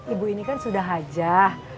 ibu ini kan sudah hajah